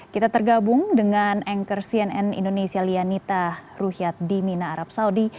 kita tergabung dengan anchor cnn indonesia lianita ruhyat di mina arab saudi